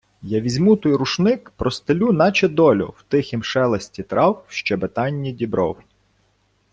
Я візьму той рушник, простелю, наче долю, в тихім шелесті трав, в щебетанні дібров